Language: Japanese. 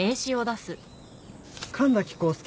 神崎康介。